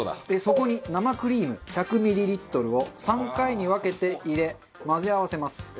そこに生クリーム１００ミリリットルを３回に分けて入れ混ぜ合わせます。